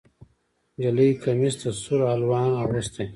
نجلۍ کمیس د سور الوان اغوستی